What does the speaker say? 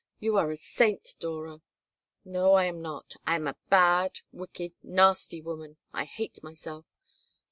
You are a saint, Dora." "No, I am not. I am a bad, wicked, nasty woman. I hate myself."